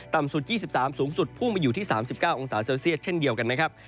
สุด๒๓สูงสุดพุ่งไปอยู่ที่๓๙องศาเซลเซียตเช่นเดียวกันนะครับ